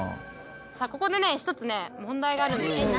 さあここでねひとつね問題がある。